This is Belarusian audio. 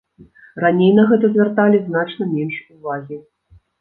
Раней на гэта звярталі значна менш увагі.